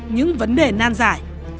những vấn đề nan giải